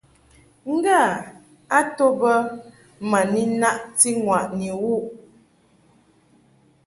Ngâ a to bə ma ni naʼti ŋwàʼni wuʼ bə.